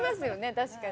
確かに。